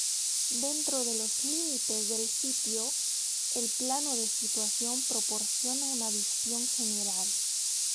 Dentro de los límites del sitio, el plano de situación proporciona una visión general.